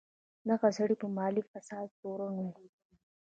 دغه سړی په مالي فساد تورن و.